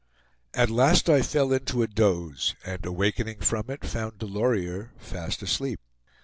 At last I fell into a doze, and, awakening from it, found Delorier fast asleep.